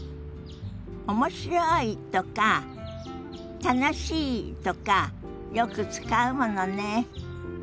「面白い」とか「楽しい」とかよく使うものね。